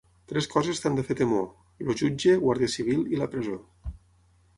Tres coses t'han de fer temor: el jutge, guàrdia civil i la presó.